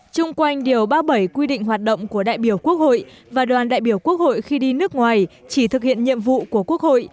trung quanh điều ba mươi bảy quy định hoạt động của đại biểu quốc hội và đoàn đại biểu quốc hội khi đi nước ngoài chỉ thực hiện nhiệm vụ của quốc hội